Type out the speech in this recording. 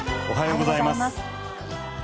おはようございます。